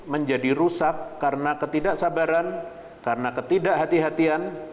menjadi rusak karena ketidaksabaran karena ketidakhati hatian